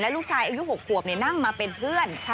ลูกชายอายุ๖ขวบนั่งมาเป็นเพื่อน